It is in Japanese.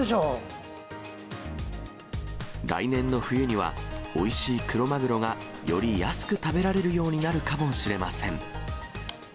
来年の冬には、おいしいクロマグロが、より安く食べられるようになるかもしれません。